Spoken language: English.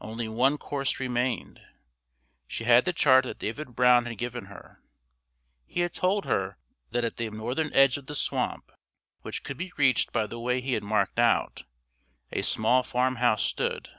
Only one course remained. She had the chart that David Brown had given her. He had told her that at that northern edge of the swamp, which could be reached by the way he had marked out, a small farmhouse stood.